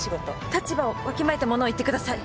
立場をわきまえてものを言ってください。